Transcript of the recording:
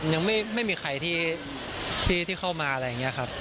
ยังไม่มีใครที่เข้ามาอะไรอย่างนี้ครับ